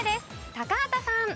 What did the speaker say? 高畑さん。